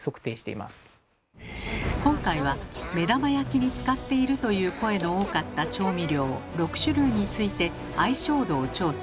今回は目玉焼きに使っているという声の多かった調味料６種類について相性度を調査。